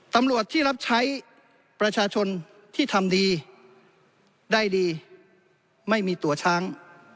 ตำรวจที่รับใช้ประชาชนที่ทำดีได้ดีไม่มีตัวช้าง